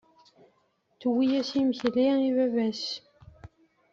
Tewwi-yas imekli i baba-s.